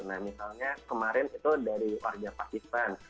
nah misalnya kemarin itu dari warga pakistan